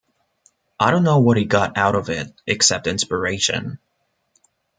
I don't know what he got out of it except inspiration.